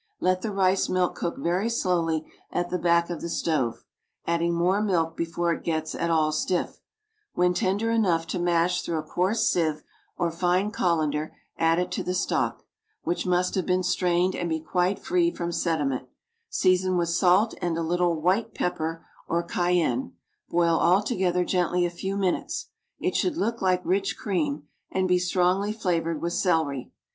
Let the rice milk cook very slowly at the back of the stove, adding more milk before it gets at all stiff; when tender enough to mash through a coarse sieve or fine colander add it to the stock, which must have been strained and be quite free from sediment, season with salt and a little white pepper or cayenne, boil all together gently a few minutes. It should look like rich cream, and be strongly flavored with celery.